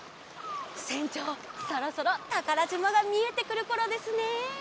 せんちょうそろそろたからじまがみえてくるころですね。